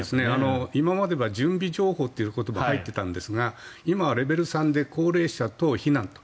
今までは準備情報という言葉が入っていたんですが今はレベル３で高齢者等避難と。